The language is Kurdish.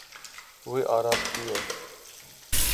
Wî arastiye.